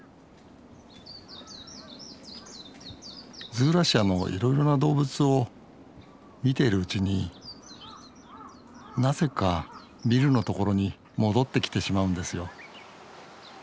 ズーラシアのいろいろな動物を見ているうちになぜかニルの所に戻ってきてしまうんですよ